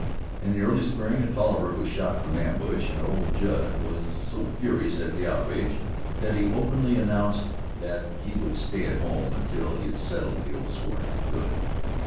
In the early spring a Tolliver was shot from ambush and old Judd was so furious at the outrage that he openly announced that he would stay at home until he had settled the old scores for good.